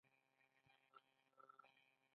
د لوګر کرومایټ ډیر لوړ کیفیت لري.